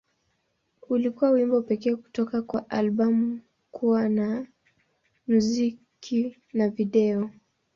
Ulikuwa wimbo pekee kutoka katika albamu kuwa na na muziki wa video.